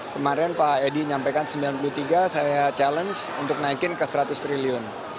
kemarin pak edi nyampaikan sembilan puluh tiga saya challenge untuk naikin ke seratus triliun